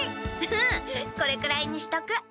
うんこれくらいにしとく。